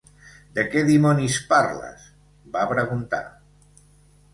"De què dimonis parles?" va preguntar.